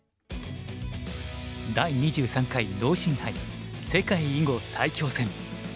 第２３回農心杯世界囲碁最強戦。